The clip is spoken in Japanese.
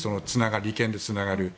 利権でつながる。